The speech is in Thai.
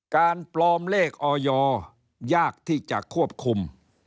การปลอมเลขออยยากที่จะควบคุม